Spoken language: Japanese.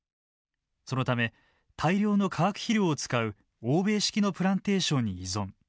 そのため大量の化学肥料を使う欧米式のプランテーションに依存。